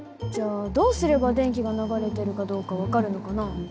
じゃあどうすれば電気が流れてるかどうか分かるのかな？